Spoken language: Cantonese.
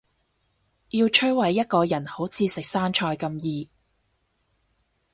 要摧毁一個人好似食生菜咁易